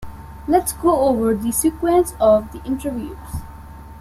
Let's go over the sequence of the interviews.